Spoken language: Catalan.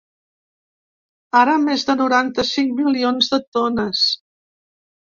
Ara, més de noranta-cinc milions de tones.